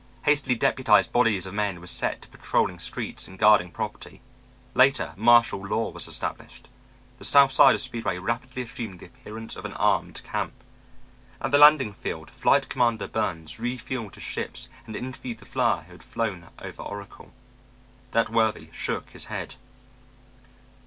Hastily deputized bodies of men were set to patrolling streets and guarding property. Later, martial law was established. The south side of Speedway rapidly assumed the appearance of an armed camp. At the landing field Flight Commander Burns refueled his ships and interviewed the flyer who had flown over Oracle. That worthy shook his head.